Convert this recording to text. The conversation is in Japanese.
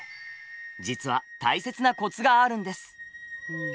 実は大切なコツがあるんです！